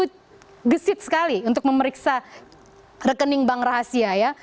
bisa visit sekali untuk memeriksa rekening bank rahasia ya